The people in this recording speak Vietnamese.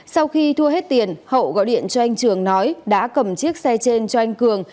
sau khi thua hết tiền hậu gọi điện cho anh trường nói đã cầm chiếc xe trên cho anh cường